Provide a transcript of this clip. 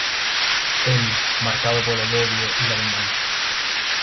Él, marcado por el odio y la venganza.